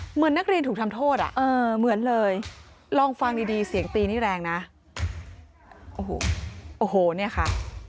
เหมือนนักเรียนถูกทำโทษอะลองฟังดีเสียงตีนี่แรงนะโอ้โฮโอ้โฮนี่ค่ะ